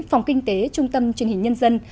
phòng kinh tế trung tâm chuyên hình nhân dân